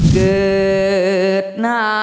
เกิดหน้า